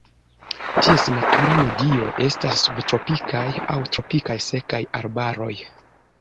Ties natura medio estas subtropikaj aŭ tropikaj sekaj arbaroj.